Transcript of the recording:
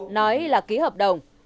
nói là ký hợp đồng